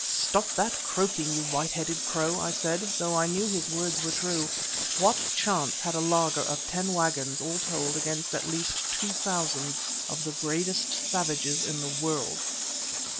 "Stop that croaking, you white headed crow," I said, though I knew his words were true. What chance had a laager of ten waggons all told against at least two thousand of the bravest savages in the world?